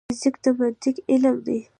فزیک د منطق علم دی